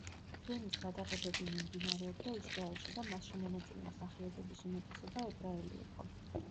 ფილმის გადაღებები მიმდინარეობდა ისრაელში და მასში მონაწილე მსახიობების უმეტესობა ებრაელი იყო.